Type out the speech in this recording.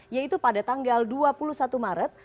yaitu pada tanggal dua puluh satu maret